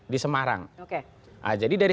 di semarang jadi dari